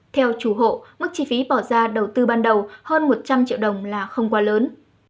theo chủ hộ mức chi phí bỏ ra đầu tư ban đầu hơn một trăm linh triệu đồng là không quá lớn